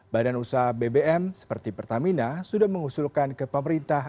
badan usaha bbm seperti pertamina sudah mengusulkan ke pemerintah